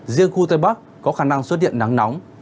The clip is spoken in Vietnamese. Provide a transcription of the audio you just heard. riêng khu tây bắc có khả năng xuất hiện nắng nóng